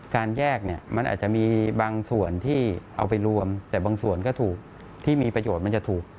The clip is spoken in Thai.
การแยกเนี่ยมันอาจจะมีบางส่วนที่เอาไปรวมแต่บางส่วนก็ถูกที่มีประโยชน์มันจะถูก